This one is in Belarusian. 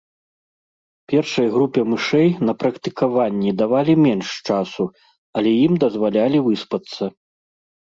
Першай групе мышэй на практыкаванні давалі менш часу, але ім дазвалялі выспацца.